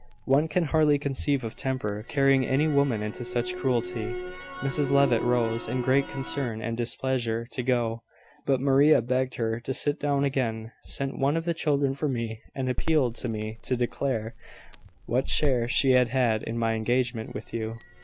One can hardly conceive of temper carrying any woman into such cruelty! Mrs Levitt rose, in great concern and displeasure, to go: but Maria begged her to sit down again, sent one of the children for me, and appealed to me to declare what share she had had in my engagement with you.